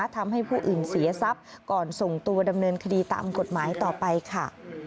ทำให้ผู้อื่นเสียทรัพย์ก่อนส่งตัวดำเนินคดีตามกฎหมายต่อไปค่ะ